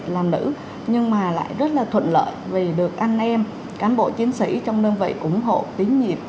làm nữ nhưng mà lại rất là thuận lợi vì được anh em cán bộ chiến sĩ trong đơn vị ủng hộ tín nhiệm